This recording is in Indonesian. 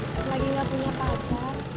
lagi gak punya pacar